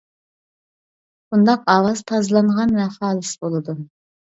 بۇنداق ئاۋاز تازىلانغان ۋە خالىس بولىدۇ.